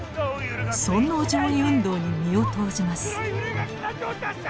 尊王攘夷運動に身を投じます。